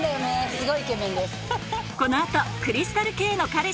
すごいイケメン。